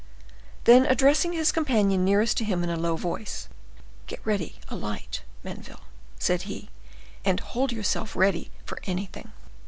Then addressing his companion nearest to him in a low voice:—"Get ready a light, Menneville," said he, "and hold yourself ready for anything."